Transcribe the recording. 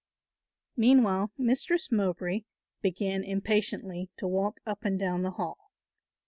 Meanwhile Mistress Mowbray began impatiently to walk up and down the hall.